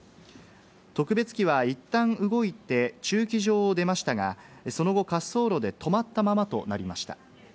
特別機はいったん動いて駐機場を出ましたが、その後、滑走路で止まったままとなりました。